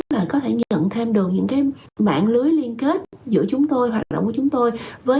là có thể nhận thêm được những cái mạng lưới liên kết giữa chúng tôi hoạt động của chúng tôi với